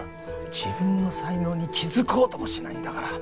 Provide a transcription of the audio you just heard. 自分の才能に気づこうともしないんだから。